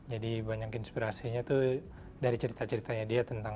jadi banyak inspirasinya tuh dari cerita ceritanya dia tentang